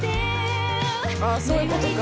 あぁそういうことか。